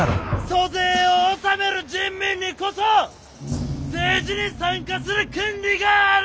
租税を納める人民にこそ政治に参加する権利がある！